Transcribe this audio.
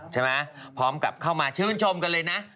พร้อมกับเข้ามาชื่นชมกันเลยนะ